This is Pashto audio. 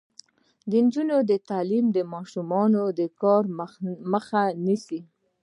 د نجونو تعلیم د ماشوم کار مخه نیسي.